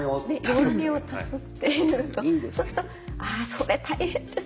弱音を足すっていうとそうすると「あそれ大変ですね。